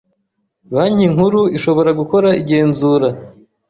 Banki Nkuru ishobora gukora igenzura